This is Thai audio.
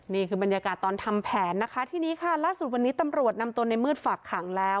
นี่คือบรรยากาศตอนทำแผนนะคะทีนี้ค่ะล่าสุดวันนี้ตำรวจนำตัวในมืดฝากขังแล้ว